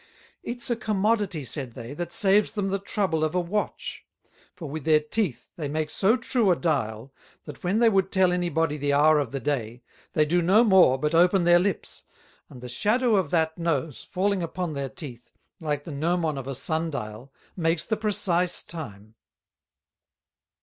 "It's a Commodity," said they, "that saves them the Trouble of a Watch; for with their Teeth they make so true a Dial, that when they would tell any Body the Hour of the day, they do no more but open their Lips, and the shadow of that Nose, falling upon their Teeth, like the Gnomon of a Sun Dial, makes the precise time.